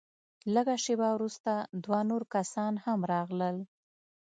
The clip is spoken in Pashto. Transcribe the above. لږه شېبه وروسته دوه نور کسان هم راغلل.